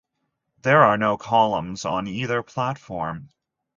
There are no columns on either platform.